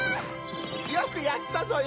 よくやったぞよ